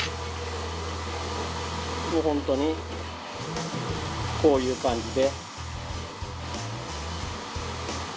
もうホントにこういう感じで。